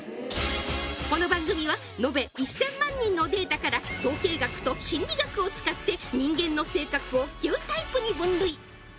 この番組は延べ１０００万人のデータから統計学と心理学を使って人間の性格を９タイプに分類